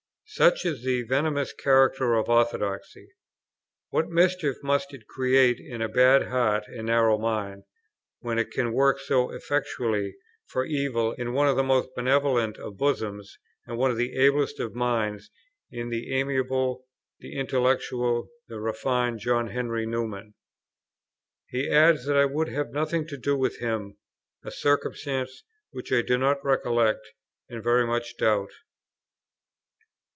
Such is the venomous character of orthodoxy. What mischief must it create in a bad heart and narrow mind, when it can work so effectually for evil, in one of the most benevolent of bosoms, and one of the ablest of minds, in the amiable, the intellectual, the refined John Henry Newman!" (Vol. iii. p. 131.) He adds that I would have nothing to do with him, a circumstance which I do not recollect, and very much doubt.